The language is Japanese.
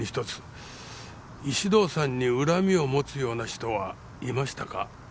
石堂さんに恨みを持つような人はいましたか？